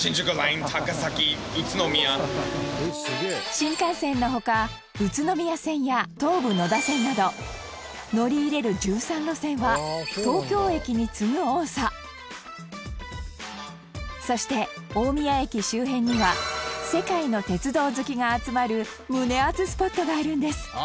新幹線の他宇都宮線や東武野田線など乗り入れる１３路線は東京駅に次ぐ多さそして、大宮駅周辺には世界の鉄道好きが集まる胸アツスポットがあるんです